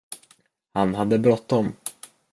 Han hade bråttom.